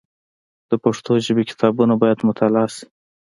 د پښتو ژبي کتابونه باید مطالعه سي.